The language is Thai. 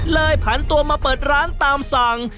ผันตัวมาเปิดร้านตามสั่ง